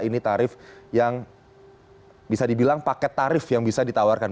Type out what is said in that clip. ini tarif yang bisa dibilang paket tarif yang bisa ditawarkan